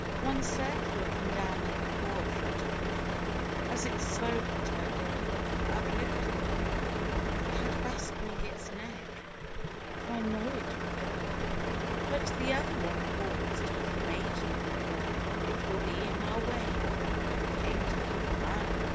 One said, looking down on the poor, fluttering thing, As it slowly turned over, uplifting one wing, " You had best wring its neck, for I know it will die." But the other one paused, and he made no reply. "It will be in our way; and we came to have fun."